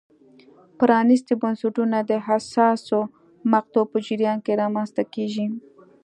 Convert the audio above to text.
پرانیستي بنسټونه د حساسو مقطعو په جریان کې رامنځته کېږي.